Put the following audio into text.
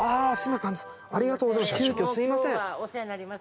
ありがとうございます。